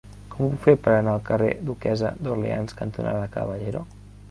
Com ho puc fer per anar al carrer Duquessa d'Orleans cantonada Caballero?